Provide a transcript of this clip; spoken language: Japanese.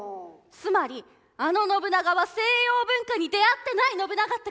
つまりあの信長は西洋文化に出会ってない信長ってこと。